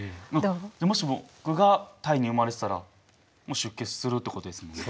もし僕がタイに生まれてたら出家するってことですもんね。